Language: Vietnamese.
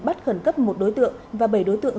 bắt khẩn cấp một đối tượng và bảy đối tượng